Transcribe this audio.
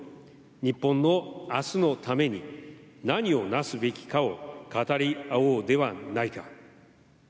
日本の明日のために何をなすべきかを語り合おうではないか。